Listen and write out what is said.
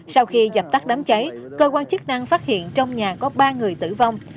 sau khi dập tắt đám cháy cơ quan chức năng phát hiện trong nhà có ba người tử vong